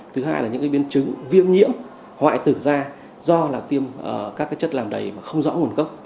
thứ hai là những cái biến chứng viêm nhiễm hoại tử da do là tiêm các cái chất làm đầy mà không rõ nguồn cốc